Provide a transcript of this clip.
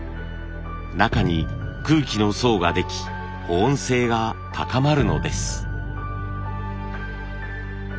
中に空気の層ができ保温性が高まるのです。